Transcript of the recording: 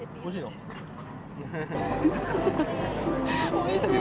おいしい！